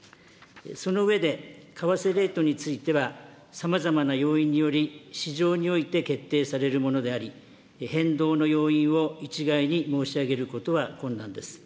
その上で、為替レートについては、さまざまな要因により、市場において決定されるものであり、変動の要因を一概に申し上げることは困難です。